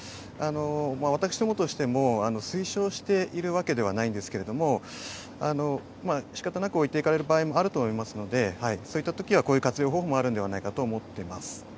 私どもとしても、推奨しているわけではないんですけれども、しかたなく置いていかれる場合もあると思いますので、そういったときはこういう活用方法もあるんではないかと思っています。